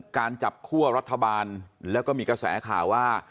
การจับคั่วรัฐบาลแล้วก็มีกระแสข่าวว่า